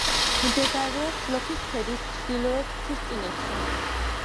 მდებარეობს ლოქის ქედის ჩრდილოეთ მთისწინეთში.